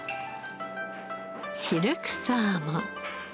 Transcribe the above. シルクサーモン。